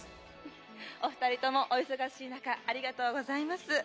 「お２人ともお忙しい中ありがとうございます」